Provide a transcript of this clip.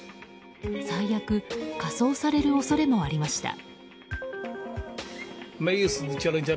最悪火葬される恐れもありました。